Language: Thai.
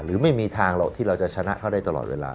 หรือไม่มีทางหรอกที่เราจะชนะเขาได้ตลอดเวลา